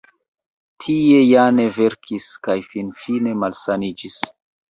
Tie Jane verkis kaj finfine malsaniĝis.